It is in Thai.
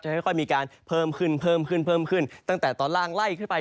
จะค่อยมีการเพิ่มขึ้นตั้งแต่ตอนล่างไล่ขึ้นไป